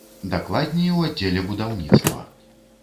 Дакладней, у аддзеле будаўніцтва.